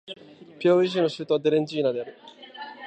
ピアウイ州の州都はテレジーナである